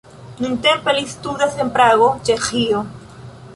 Nuntempe li studas en Prago, Ĉeĥio.